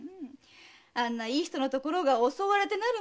あんないい人のところが襲われてなるもんですか。